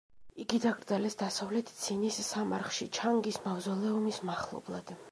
იგი დაკრძალეს დასავლეთ ცინის სამარხში, ჩანგის მავზოლეუმის მახლობლად.